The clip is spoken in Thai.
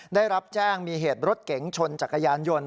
ได้รับแจ้งมีเหตุรถเก๋งชนจักรยานยนต์